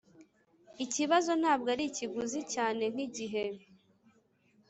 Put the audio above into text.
ikibazo ntabwo ari ikiguzi cyane nkigihe.